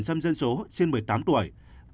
và bảy mươi tám dân số trên hai mươi tuổi